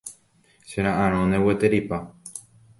Chera'ãrõne gueterípa.